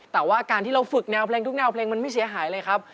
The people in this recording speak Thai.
แต่ว่าการที่เราฝึกแนวเพลงทุกแนวเพลงมันไม่เสียหายเลยครับ